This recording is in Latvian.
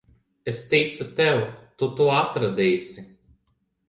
Es ticu tev. Tu to atradīsi.